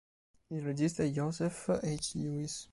Il regista è Joseph H. Lewis.